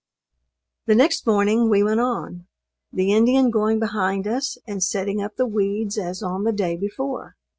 The next morning we went on; the Indian going behind us and setting up the weeds as on the day before.